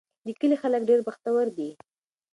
د کلي خلک ډېر بختور دي.